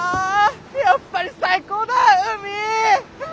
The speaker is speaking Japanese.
やっぱり最高だ海！わ！